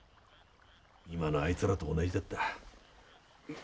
今のあいつらと同じだった。